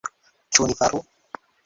Ĉu ni faru?